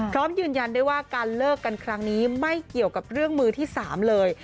พร้อมยืนยันได้ว่าการเลิกกันครั้งนี้ไม่เกี่ยวกับเรื่องมือที่๓เลย